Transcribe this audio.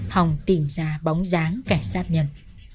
hồng tìm ra bóng dáng kẻ sát nhân